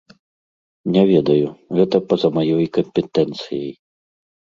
Не ведаю, гэта па-за маёй кампетэнцыяй.